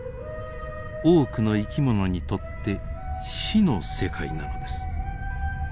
多くの生き物にとって死の世界なのです。